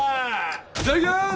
いただきます！